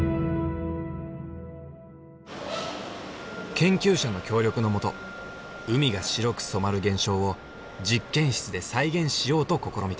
研究者の協力の下海が白く染まる現象を実験室で再現しようと試みた。